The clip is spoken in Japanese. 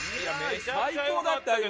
最高だったよ